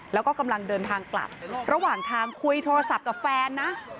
แล้วก็กำลังเดินทางกลับระหว่างทางคุยโทรศัพท์กับแฟนนะ